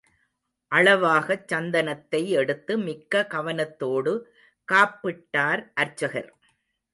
அளவாகச் சந்தனத்தை எடுத்து மிக்க கவனத்தோடு காப்பிட்டார் அர்ச்சகர்.